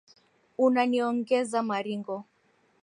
Unaniongeza maringo.